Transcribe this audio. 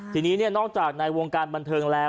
ทีนี้เนี่ยนอกจากในวงการบรรเทิงแล้ว